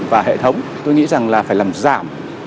và hệ thống tôi nghĩ rằng là phải làm giảm